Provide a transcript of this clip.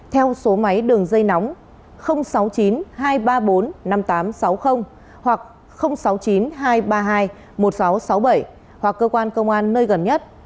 theo số máy đường dây nóng sáu mươi chín hai trăm ba mươi bốn năm nghìn tám trăm sáu mươi hoặc sáu mươi chín hai trăm ba mươi hai một nghìn sáu trăm sáu mươi bảy hoặc cơ quan công an nơi gần nhất